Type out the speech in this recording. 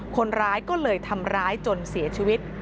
คนร้ายก็เลยทำร้ายจนเสียชีวิต